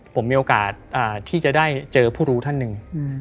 ผมมีโอกาสที่จะได้เจอผู้รู้ท่านหนึ่ง